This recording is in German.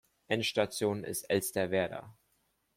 Endstation ist Elsterwerda.